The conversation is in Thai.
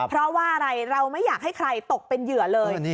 เพราะว่าอะไรเราไม่อยากให้ใครตกเป็นเหยื่อเลย